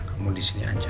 kamu disini aja